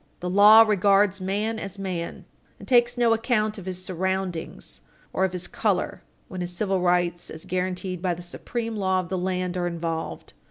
The law regards man as man, and takes no account of his surroundings or of his color when his civil rights as guaranteed by the supreme law of the land are involved.